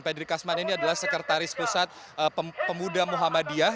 pedri kasman ini adalah sekretaris pusat pemuda muhammadiyah